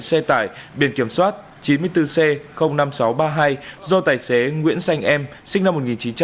xe tải biển kiểm soát chín mươi bốn c năm nghìn sáu trăm ba mươi hai do tài xế nguyễn xanh em sinh năm một nghìn chín trăm tám mươi